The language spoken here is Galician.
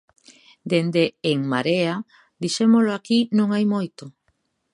Dende En Marea dixémolo aquí non hai moito.